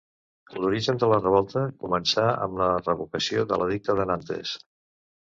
L'origen de la revolta començà amb la revocació de l'Edicte de Nantes.